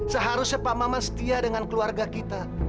seharusnya pak maman setia dengan keluarga kita